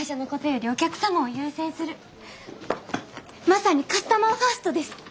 まさにカスタマーファーストです！